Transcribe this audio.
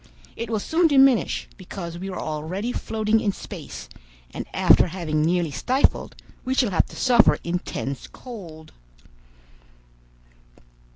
It will soon diminish, because we are already floating in space, and after having nearly stifled, we shall have to suffer intense cold.